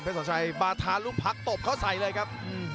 สอนชัยบาธาลูกพักตบเขาใส่เลยครับ